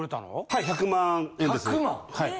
はい１００万円ですねはい。